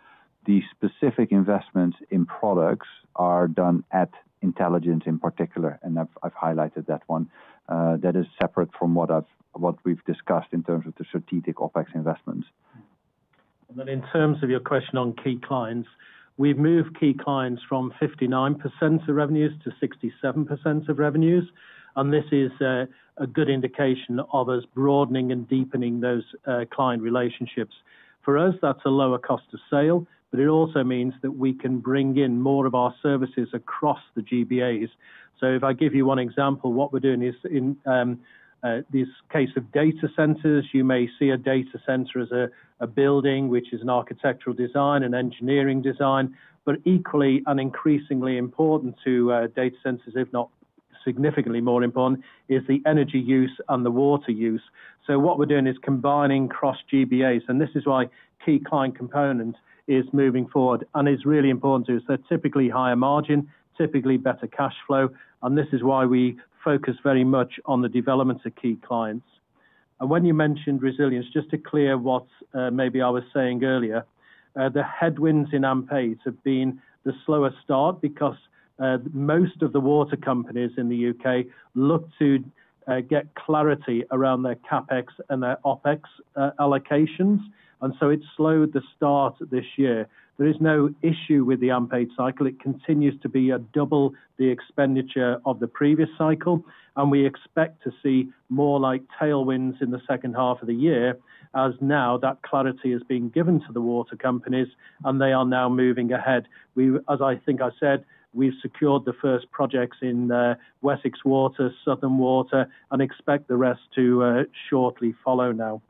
The specific investments in products are done at Intelligence in particular, and I've highlighted that one. That is separate from what we've discussed in terms of the strategic OpEx investments. And then in terms of your question on key clients, we've moved key clients from 59% of revenues to 67% of revenues. And this is a good indication of us broadening and deepening those client relationships. For us, that's a lower cost of sale, but it also means that we can bring in more of our services across the GBAs. So if I give you one example, what we're doing is in this case of data centres, you may see a data centre as building, which is an architectural design, an engineering design. But equally and increasingly important to data centers, if not significantly more important, is the energy use and the water use. So what we're doing is combining cross GBAs, and this is why key client component is moving forward. And it's really important to us that typically higher margin, typically better cash flow, and this is why we focus very much on the development of key clients. When you mentioned resilience, just to clear what maybe I was saying earlier, the headwinds in AMPASE have been the slower start because most of the water companies in The UK look to get clarity around their CapEx and their OpEx allocations, and so it slowed the start this year. There is no issue with the unpaid cycle. It continues to be double the expenditure of the previous cycle, and we expect to see more like tailwinds in the second half of the year as now that clarity has been given to the water companies and they are now moving ahead. As I think I said, we've secured the first projects in Wessex Water, Southern Water and expect the rest to shortly follow now.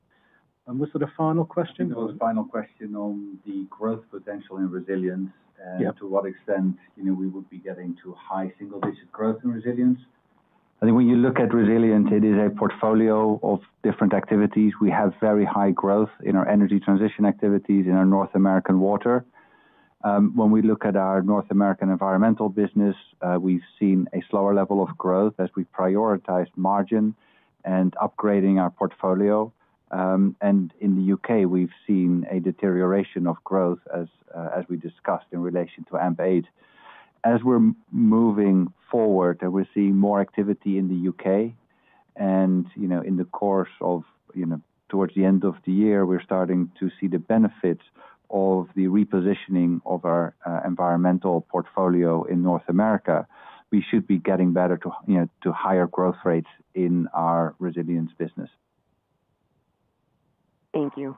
And what's sort of final question? It was final question on the growth potential in Resilience and to what extent we would be getting to high single digit growth in Resilience. I think when you look at resilience, it is a portfolio of different activities. We have very high growth in our energy transition activities in our North American water. When we look at our North American environmental business, we've seen a slower level of growth as we prioritize margin and upgrading our portfolio. And in The UK, we've seen a deterioration of growth, as we discussed, in relation to AMP8. As we're moving forward, we're seeing more activity in The UK, and in the course of towards the end of the year, we're starting to see the benefits of the repositioning of our environmental portfolio in North America, we should be getting better to higher growth rates in our resilience business. Thank you.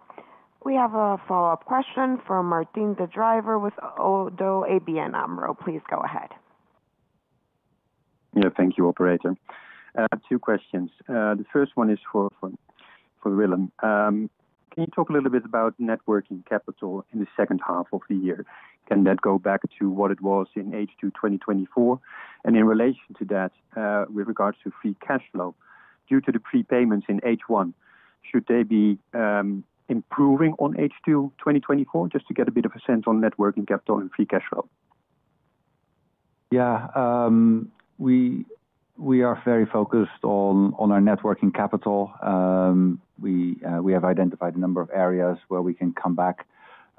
We have a follow-up question from Martin De Drijver with ODDO ABN AMRO. Please go ahead. Yes. Thank you, operator. Two questions. The first one is for Willem. Can you talk a little bit about net working capital in the second half of the year? Can that go back to what it was in H2 twenty twenty four? And in relation to that, with regards to free cash flow, due to the prepayments in H1, should they be improving on H2 twenty twenty four? Just to get a bit of a sense on net working capital and free cash flow. Yeah. We are very focused on our net working capital. We have identified a number of areas where we can come back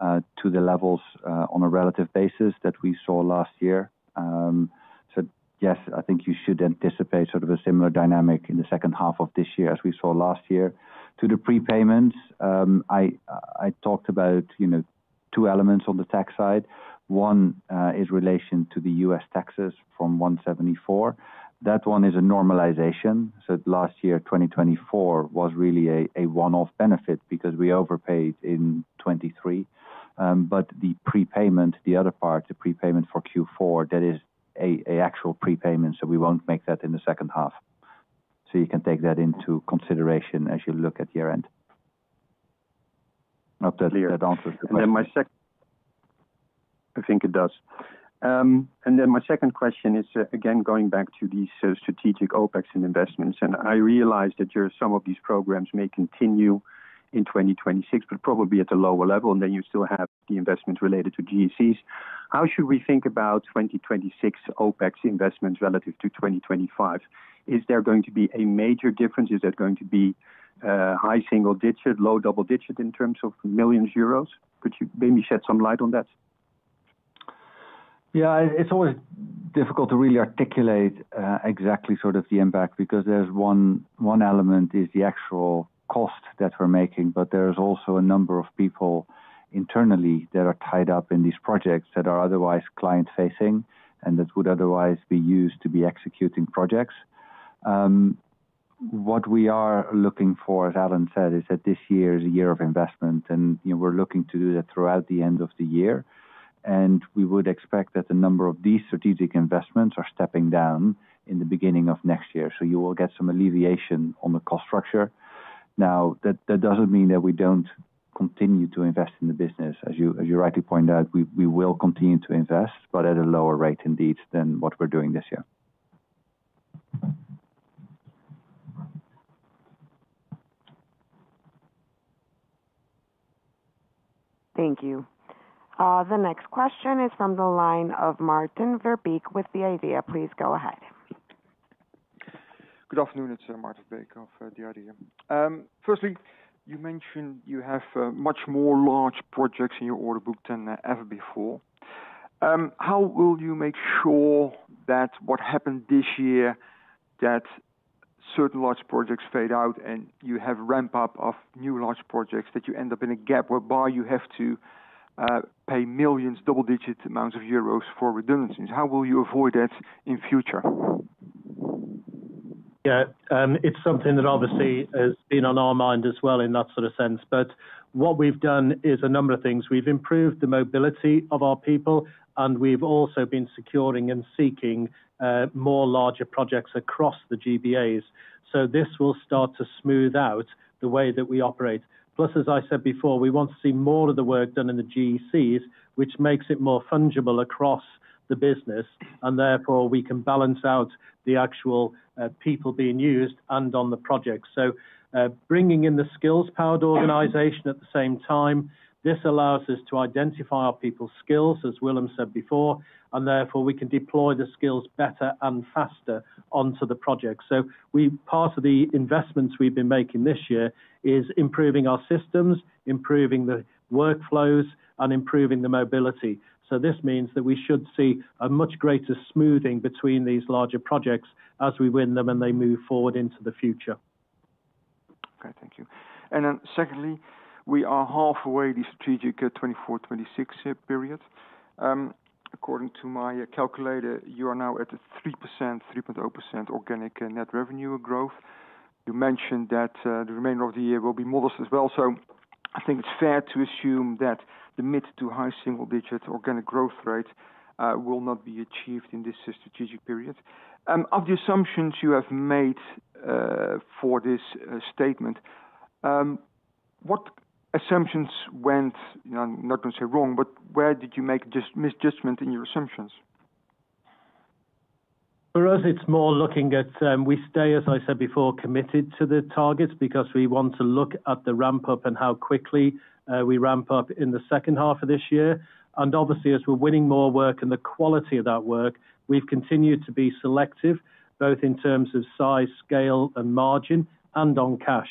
to the levels on a relative basis that we saw last year. So yes, I think you should anticipate sort of a similar dynamic in the second half of this year as we saw last year. To the prepayments, I talked about two elements on the tax side. One is relation to The U. S. Taxes from $1.74 That one is a normalization. So last year, 2024, was really a one off benefit because we overpaid in 'twenty three. But the prepayment, the other part, the prepayment for Q4, that is an actual prepayment, so we won't make that in the second half. So, you can take that into consideration as you look at year end. Hope that The I think it does. And then my second question is, again, going back to the strategic OpEx and investments. And I realize that your some of these programs may continue in 2026, but probably at a lower level, and then you still have the investments related to GECs. How should we think about 2026 OpEx investments relative to 2025? Is there going to be a major difference? Is that going to be high single digit, low double digit in terms of millions euros? Could you maybe shed some light on that? Yeah. It's always difficult to really articulate exactly sort of the impact because there's one element is the actual cost that we're making, but there's also a number of people internally that are tied up in these projects that are otherwise client facing and that would otherwise be used to be executing projects. What we are looking for, as Alan said, is that this year is a year of investment, and we're looking to do that throughout the end of the year. And we would expect that a number of these strategic investments are stepping down in the beginning of next year. So you will get some alleviation on the cost structure. Now that doesn't mean that we don't continue to invest in the business. As you rightly pointed out, we will continue to invest but at a lower rate indeed than what we're doing this year. Thank you. The next question is from the line of Martin Verbique with DIA. Please go ahead. Good afternoon. It's Martin Verbique of DIA. Firstly, you mentioned you have much more large projects in your order book than ever before. How will you make sure that what happened this year that certain large projects fade out and you have ramp up of new large projects that you end up in a gap whereby you have to pay millions, double digit amounts of euros for redundancies? How will you avoid that in future? Yes. It's something that obviously has been on our mind as well in that sort of sense. But what we've done is a number of things. We've improved the mobility of our people, and we've also been securing and seeking more larger projects across the GBAs. So this will start to smooth out the way that we operate. Plus, as I said before, we want to see more of the work done in the GECs, which makes it more fungible across the business, and therefore we can balance out the actual people being used and on the project. So bringing in the skills powered organisation at the same time, this allows us to identify our people's skills, as Willem said before, and therefore we can deploy the skills better and faster onto the project. So part of the investments we've been making this year is improving our systems, improving the workflows and improving the mobility. So this means that we should see a much greater smoothing between these larger projects as we win them and they move forward into the future. Okay. And then secondly, we are halfway the strategic 2426 period. According to my calculator, you are now at a 3%, 3% organic net revenue growth. You mentioned that the remainder of the year will be modest as well. So I think it's fair to assume that the mid- to high single digit organic growth rate will not be achieved in this strategic period. Of the assumptions you have made for this statement, what assumptions went I'm not going say wrong, but where did you make misjudgment in your assumptions? For us, it's more looking at we stay, as I said before, committed to the targets because we want to look at the ramp up and how quickly we ramp up in the second half of this year. And obviously, as we're winning more work and the quality of that work, we've continued to be selective both in terms of size, scale and margin and on cash.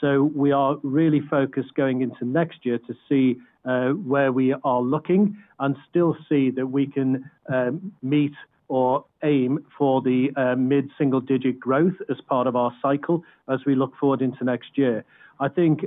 So we are really focused going into next year to see where we are looking and still see that we can meet or aim for the mid single digit growth as part of our cycle as we look forward into next year. I think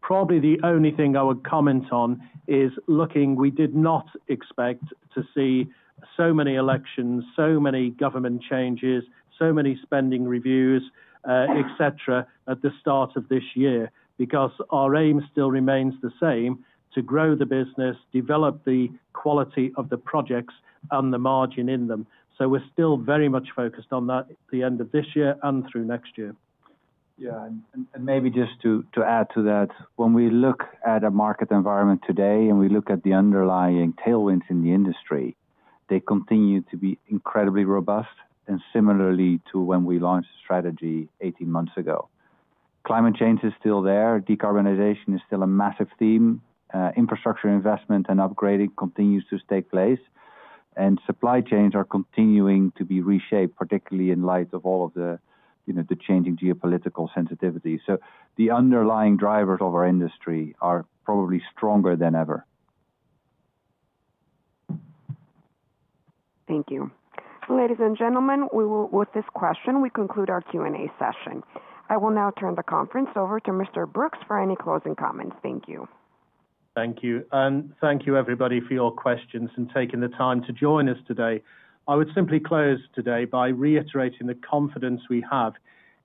probably the only thing I would comment on is looking we did not expect to see so many elections, so many government changes, so many spending reviews, etcetera, at the start of this year because our aim still remains the same: to grow the business, develop the quality of the projects and the margin in them. So we're still very much focused on that at the end of this year and through next year. Yes. And maybe just to add to that, when we look at a market environment today and we look at the underlying tailwinds in the industry, they continue to be incredibly robust and similarly to when we launched the strategy 18 ago. Climate change is still there, decarbonization is still a massive theme, infrastructure investment and upgrading continues to take place, And supply chains are continuing to be reshaped, particularly in light of all of the changing geopolitical sensitivities. So, the underlying drivers of our industry are probably stronger than ever. Thank you. Ladies and gentlemen, with this question, we conclude our Q and A session. I will now turn the conference over to Mr. Brooks for any closing comments. Thank you. Thank you, and thank you, everybody, for your questions and taking the time to join us today. I would simply close today by reiterating the confidence we have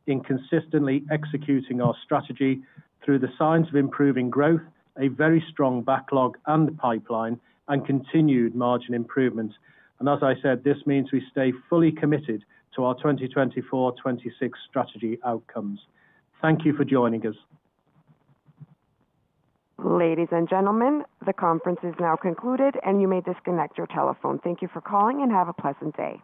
in consistently executing our strategy through the signs of improving growth, a very strong backlog and pipeline and continued margin improvements. And as I said, this means we stay fully committed to our twenty twenty four-twenty twenty six strategy outcomes. Thank you for joining us. Ladies and gentlemen, the conference has now concluded, and you may disconnect your telephone. Thank you for calling, and have a pleasant day.